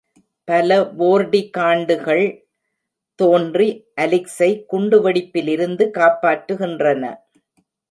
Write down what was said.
பல வோர்டிகாண்டுகள் தோன்றி அலிக்ஸை குண்டுவெடிப்பிலிருந்து காப்பாற்றுகின்றன.